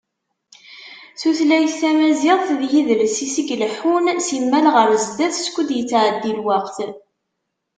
Tutlayt tamaziɣt d yidles-is i ileḥḥun simmal ɣer sdat skud yettɛeddi lweqt.